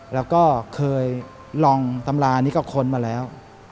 แล้วก็เคยลองตำรานี้ก็ค้นมาแล้ว